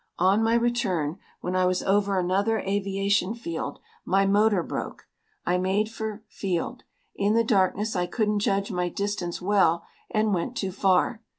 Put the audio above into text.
On my return, when I was over another aviation field, my motor broke. I made for field. In the darkness I couldn't judge my distance well, and went too far.